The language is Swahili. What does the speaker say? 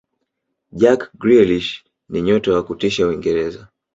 jack grielish ni nyota wa kutisha uingereza